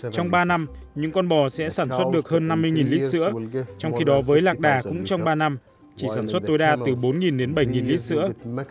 trong ba năm những con bò sẽ sản xuất được hơn năm mươi lít sữa trong khi đó với lạc đà cũng trong ba năm chỉ sản xuất tối đa từ bốn đến bảy lít sữa